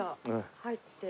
入って。